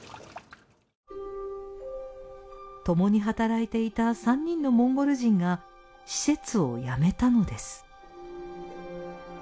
共に働いていた３人のモンゴル人が施設を辞めたのです。